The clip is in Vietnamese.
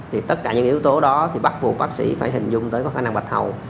thì tất cả những yếu tố đó thì bắt buộc bác sĩ phải hình dung tới có phải nào bạch hầu